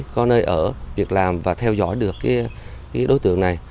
có nơi ở việc làm và theo dõi được đối tượng này